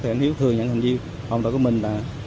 thì anh hiếu thừa nhận hành vi hồng tội của mình